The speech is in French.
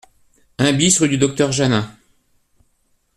un BIS rue du Docteur Jeannin